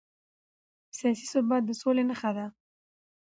سیاسي ثبات د سولې نښه ده